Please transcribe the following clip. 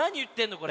これ。